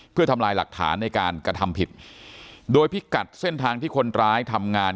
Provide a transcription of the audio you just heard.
เพื่อทำลายหลักฐานในการกระทำผิดโดยพิกัดเส้นทางที่คนร้ายทำงาน